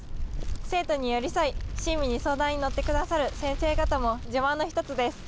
生徒に寄り添い親身に相談に乗って下さる先生方も自慢の１つです。